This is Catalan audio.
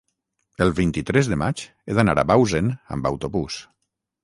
el vint-i-tres de maig he d'anar a Bausen amb autobús.